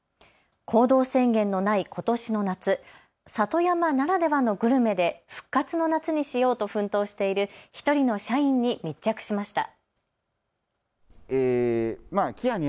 行動制限のないことしの夏、里山ならではのグルメで復活の夏にしようと奮闘している１人の社員に密着しました。